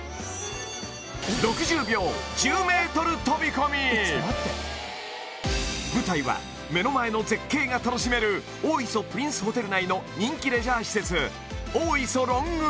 そんな舞台は目の前の絶景が楽しめる大磯プリンスホテル内の人気レジャー施設